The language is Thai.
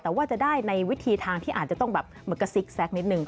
แต่ว่าจะได้ในวิธีทางที่อาจจะต้องสิกแซกนิดหนึ่ง